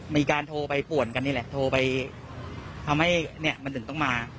มันจึงต้องมา